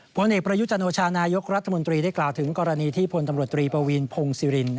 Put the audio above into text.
ผลเอกประยุจันโอชานายกรัฐมนตรีได้กล่าวถึงกรณีที่พลตำรวจตรีปวีนพงศิริน